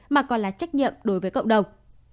mà còn là trách nhiệm đối với cộng đồng